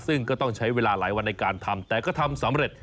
ซึ่งก็ต้องใช้เวลาหลายวันในการทำแต่ก็ทำสำเร็จ